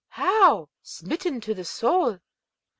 how?' smitten to the soul.